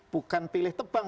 bukan pilih tebang